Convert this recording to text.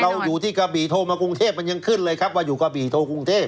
เราอยู่ที่กระบี่โทรมากรุงเทพมันยังขึ้นเลยครับว่าอยู่กระบี่โทรกรุงเทพ